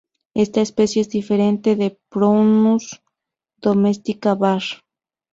Esta especie es diferente de "Prunus domestica var.